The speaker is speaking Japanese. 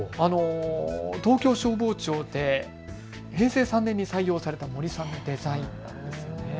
東京消防庁で平成３年に採用された森さんのデザインです。